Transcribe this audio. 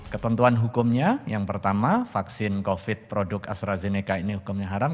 ketentuan hukumnya yang pertama vaksin covid produk astrazeneca ini hukumnya haram